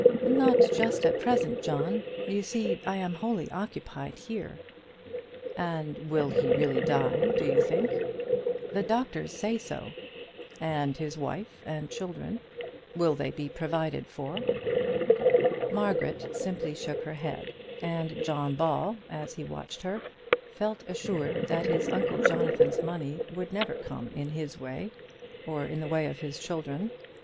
"Not just at present, John. You see I am wholly occupied here." "And will he really die, do you think?" "The doctors say so." "And his wife and children will they be provided for?" Margaret simply shook her head, and John Ball, as he watched her, felt assured that his uncle Jonathan's money would never come in his way, or in the way of his children.